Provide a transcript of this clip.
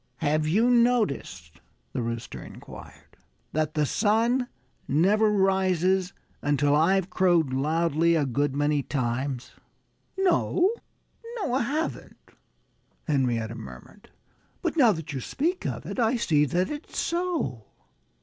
"Have you not noticed," the Rooster inquired, "that the sun never rises until I've crowed loudly a good many times?" "No! No I haven't," Henrietta murmured. "But now that you speak of it, I see that it's so."